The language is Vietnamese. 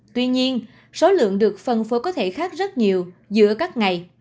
tuy nhiên số lượng được phân phối có thể khác rất nhiều giữa các ngày